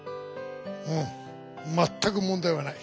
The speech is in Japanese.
うんまったく問題はない。